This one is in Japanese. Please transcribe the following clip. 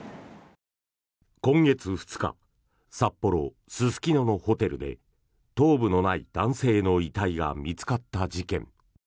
今月２日札幌・すすきののホテルで頭部のない男性の遺体が見つかった事件。